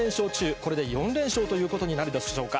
これで４連勝ということになるでしょうか。